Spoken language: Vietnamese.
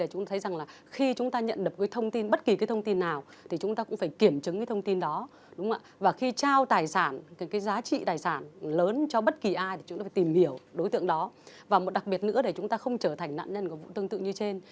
chúng ta phải tìm hiểu đối tượng đó và một đặc biệt nữa để chúng ta không trở thành nạn nhân của vụ tương tự như trên